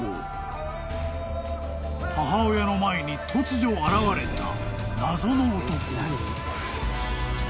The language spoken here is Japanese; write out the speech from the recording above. ［母親の前に突如現れた］